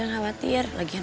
dari parabah v smarter kita ini